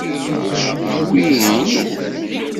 Wi inu.